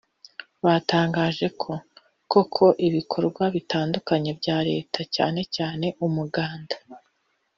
batangaje ko koko ibikorwa bitandukanye bya Leta cyane cyane Umuganda